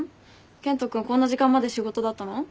健人君こんな時間まで仕事だったの？